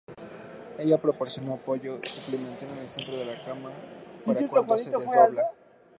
Ella proporcionó apoyo suplementario al centro de la cama para cuando se desdobla.